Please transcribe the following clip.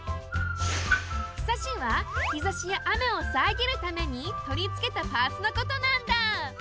庇はひざしやあめをさえぎるためにとりつけたパーツのことなんだ。